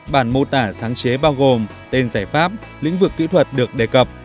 bản mô tả sáng chế bao gồm tên giải pháp lĩnh vực kỹ thuật được đề cập